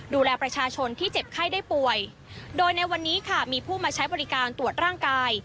ดูแลประชาชนที่เจ็บไข้ได้ป่วยโดยในวันนี้ค่ะมีผู้มาใช้บริการตรวจร่างกาย